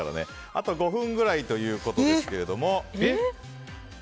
あと５分くらいということですが。